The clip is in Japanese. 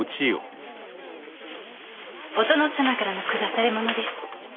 お殿様からの下されものです。